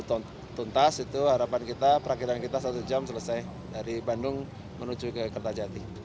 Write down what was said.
tuntas itu harapan kita perakhiran kita satu jam selesai dari bandung menuju ke kertajati